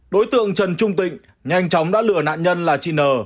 đối tượng trần trung tịnh nhanh chóng đã lừa nạn nhân là chị n